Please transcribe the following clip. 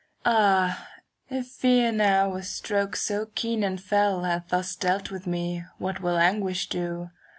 Ah, if fear now with strokes so keen and fell Hath thus dealt with me, what will anguish do.